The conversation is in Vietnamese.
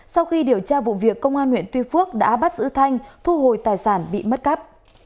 sau khi điều tra vụ việc công an huyện tuy phước đã bắt giữ thanh thu hồi tài sản bị mất cắp